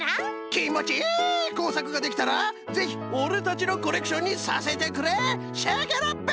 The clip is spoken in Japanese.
きんもちいいこうさくができたらぜひオレたちのコレクションにさせてくれシェケナベイベー。